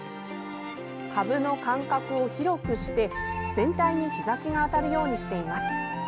株の間隔を広くして全体に日ざしが当たるようにしています。